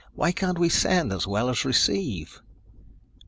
Why can't we send as well as receive?"